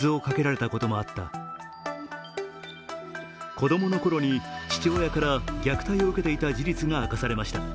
子供のころに父親から虐待を受けていた事実が明かされました。